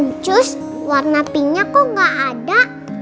lucus warna pinknya kok gak ada